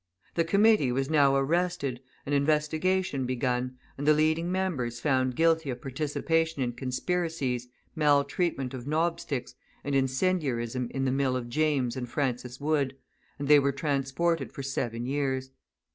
The committee was now arrested, an investigation begun, and the leading members found guilty of participation in conspiracies, maltreatment of knobsticks, and incendiarism in the mill of James and Francis Wood, and they were transported for seven years.